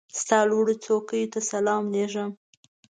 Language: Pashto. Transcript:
ستا لوړوڅوکو ته سلام لېږم